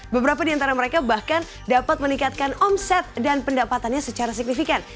beberapa di antara mereka bahkan dapat meningkatkan omset dan pendapatannya secara signifikan